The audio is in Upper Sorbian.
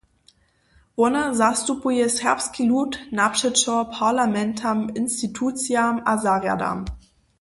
Wona zastupuje serbski lud napřećo parlamentam, institucijam a zarjadam.